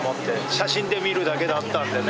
写真で見るだけだったんでね。